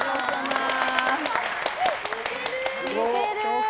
似てる！